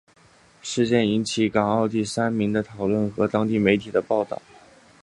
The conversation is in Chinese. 事件引起粤港澳三地网民讨论和当地媒体报导。